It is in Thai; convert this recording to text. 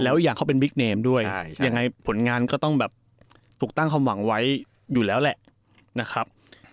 แล้วอยากเขาเป็นบิ๊กเนมด้วยยังไงผลงานก็ต้องแบบถูกตั้งความหวังไว้อยู่แล้วแหละนะครับ